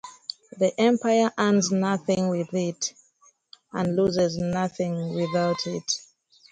The empire earns nothing with it and loses nothing without it.